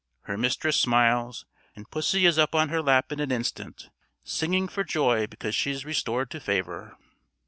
Her mistress smiles, and pussy is up on her lap in an instant, singing for joy because she is restored to favour.